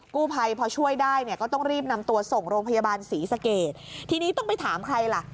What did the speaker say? กู้ภัยพอช่วยได้เนี่ยก็ต้องรีบนำตัวส่งโรงพยาบาลศรีสเกตทีนี้ต้องไปถามใครล่ะ